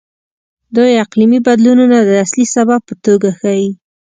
دوی اقلیمي بدلونونه د اصلي سبب په توګه ښيي.